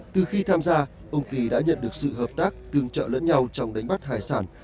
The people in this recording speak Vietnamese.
từ khi tham gia ông kỳ đã nhận được sự hợp tác tương trợ lẫn nhau trong đánh bắt hải sản